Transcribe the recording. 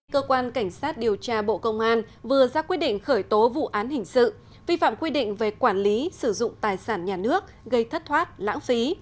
cơ quan cảnh sát điều tra bộ công an vừa ra quyết định khởi tố vụ án hình sự vi phạm quy định về quản lý sử dụng tài sản nhà nước gây thất thoát lãng phí